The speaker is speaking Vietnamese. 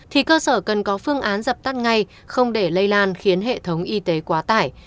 thì cơ sở cần có phương án dập tắt ngay không để lây lan khiến hệ thống y tế quá tải